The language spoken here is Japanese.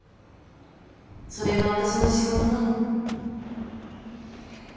それが私の仕事なの。